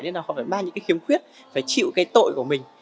nên họ phải mang những khiếm khuyết phải chịu cái tội của mình